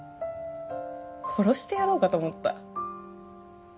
殺してやろうかと思った。